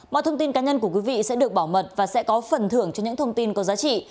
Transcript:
mọi thông tin cá nhân của quý vị sẽ được bảo mật và sẽ có phần thưởng cho những thông tin có giá trị